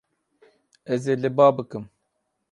Ez ê li ba bikim.